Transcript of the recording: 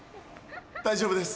大丈夫です。